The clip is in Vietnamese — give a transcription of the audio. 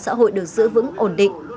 xã hội được giữ vững ổn định